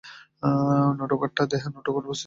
নটোকর্ডাটার দেহে নটোকর্ড অনুপস্থিত।